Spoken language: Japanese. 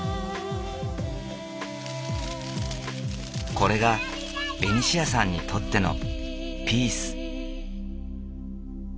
これがベニシアさんにとってのピース。